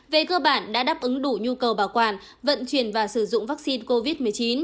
về cơ bản đã đáp ứng đủ nhu cầu bảo quản vận chuyển và sử dụng vaccine covid một mươi chín